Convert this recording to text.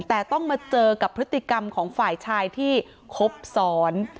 แต่ต้องมาเจอกับพฤติกรรมของฝ่ายชายที่ครบซ้อน